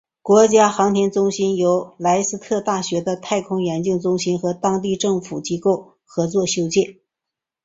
国家航天中心由莱斯特大学的太空研究中心和当地政府机构合作修建。